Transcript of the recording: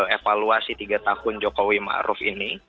evaluasi tiga tahun jokowi ma'ruf ini